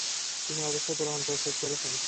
তিনি অবশ্যই প্রমাণ প্রস্তুত করছেন।